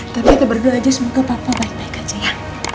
tapi kita berdua aja semoga papa baik baik aja ya